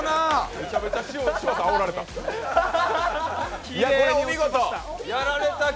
めちゃめちゃ嶋佐あおられた！